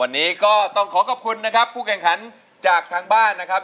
วันนี้ก็ต้องขอขอบคุณนะครับผู้แข่งขันจากทางบ้านนะครับ